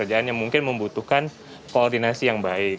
pekerjaan yang mungkin membutuhkan koordinasi yang baik